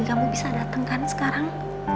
kamu bisa dateng kan sekarang